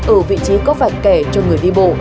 ở vị trí có vạch kẻ cho người đi bộ